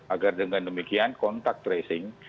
agar dengan demikian kontak tracing